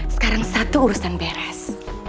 sekarang satu urusan beres